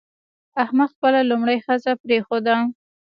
احمد خپله لومړۍ ښځه پرېښوده.